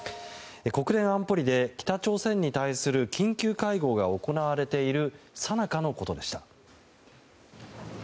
国連安保理で北朝鮮に対する緊急会合が行われているさなかのことでした。